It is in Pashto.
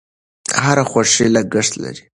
هر خوښي لګښت لري.